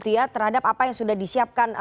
terhadap apa yang sudah disiapkan